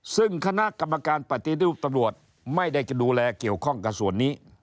ซึ่งคณะกรรมการปฏิรูปตำรวจไม่ได้ดูแลเกี่ยวข้องกับส่วนนี้